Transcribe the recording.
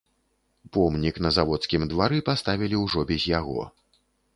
Помнік на заводскім двары паставілі ўжо без яго.